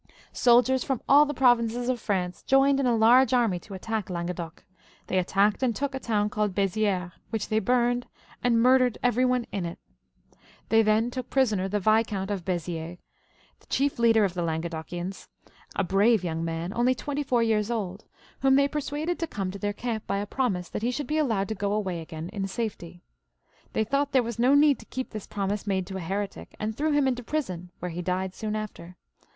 Soldiers from all the provinces of France joined in a large army to attack Languedoc. They attacked and took a town called Beziers, which they burned, and murdered every one in it. They then took prisoner tlje Viscount of Beziers, the chief leader of the Languedocians, a brave youngs man only twenty four years old, whom they per suade(J to come to their camp by a promise that he should be allowed to go away again in safety. They thought there was no need to keep this promise made to a heretic, and threw him into prison, where he died soon after.